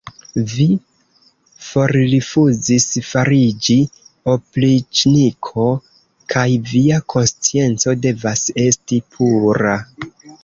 Vi forrifuzis fariĝi opriĉniko, kaj via konscienco devas esti pura!